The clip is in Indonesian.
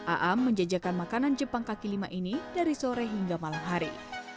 aam menjajakan makanan jepang kaki lima ini dari sore hingga malam hari